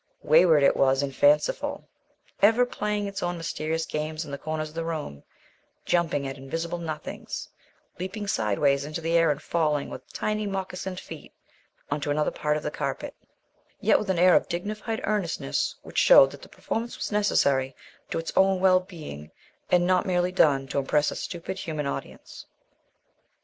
Wayward it was and fanciful, ever playing its own mysterious games in the corners of the room, jumping at invisible nothings, leaping sideways into the air and falling with tiny mocassined feet on to another part of the carpet, yet with an air of dignified earnestness which showed that the performance was necessary to its own well being, and not done merely to impress a stupid human audience.